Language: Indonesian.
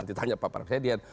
nanti tanya pak presiden